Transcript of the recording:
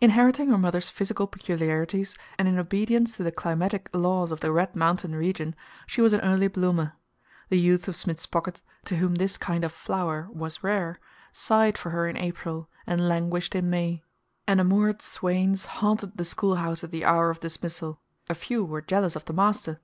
Inheriting her mother's physical peculiarities, and in obedience to the climatic laws of the Red Mountain region, she was an early bloomer. The youth of Smith's Pocket, to whom this kind of flower was rare, sighed for her in April and languished in May. Enamored swains haunted the schoolhouse at the hour of dismissal. A few were jealous of the master.